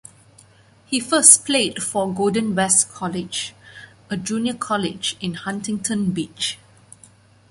He first played for Golden West College, a junior college in Huntington Beach.